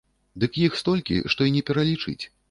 Дык іх столькі, што і не пералічыць.